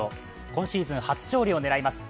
今シーズン初勝利を狙います。